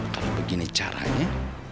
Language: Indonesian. kalau begini caranya